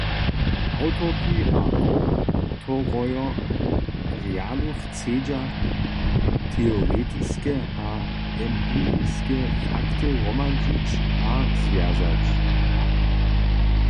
Awtorki a awtorojo rjadu chcedźa teoretiske a empiriske fakty hromadźić a zwjazać.